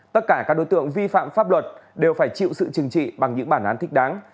tất cả các đối tượng vi phạm pháp luật đều phải chịu sự chừng trị bằng những bản án thích đáng